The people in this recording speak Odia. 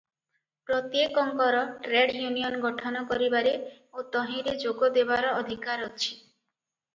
ପ୍ରତ୍ୟେକଙ୍କର ଟ୍ରେଡ ୟୁନିୟନ ଗଠନ କରିବାରେ ଓ ତହିଁରେ ଯୋଗଦେବାର ଅଧିକାର ଅଛି ।